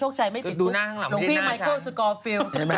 ไหนไหนคอดูหน้าซิ